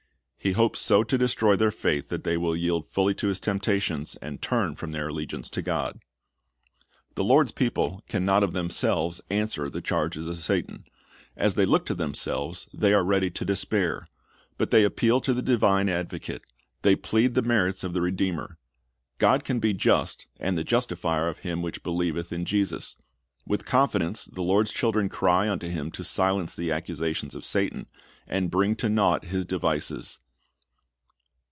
He hopes so to destroy their faith that they will yield fully to his temptations, and turn from their allegiance to God. The Lord's people can not of themselves answer the charges of Satan. As they look to themselves, they are ready to despair. But they appeal to the divine Advocate. They plead the merits of the Redeemer. God can be "just, and the justifier of him which believeth in Jesus."' With confidence the Lord's children cry unto Him to silence the ' Rom. 3 ■ 26 ''Shall Not God Avejige His Ozou?" 169 accusations of Satan, and bring to naught his devices.